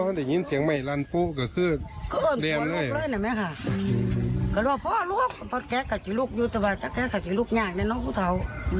ก็เรียกว่าพ่อลูกพ่อแกะกะจิลูกอยู่แต่ว่าแกะกะจิลูกยากเนี่ยน้องผู้เท้า